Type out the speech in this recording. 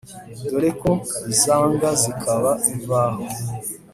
Dore ko zanga zikaba imvaho.